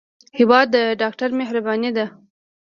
هېواد د ډاکټر مهرباني ده.